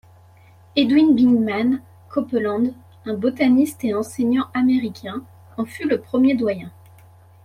Edwin Bingham Copeland, un botaniste et enseignant américain, en fut le premier doyen.